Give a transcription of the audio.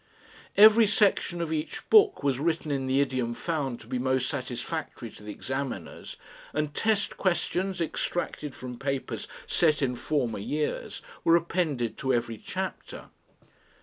Every section of each book was written in the idiom found to be most satisfactory to the examiners, and test questions extracted from papers set in former years were appended to every chapter.